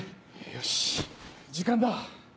よし時間だ。